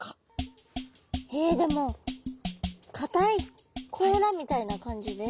えでも硬い甲羅みたいな感じで。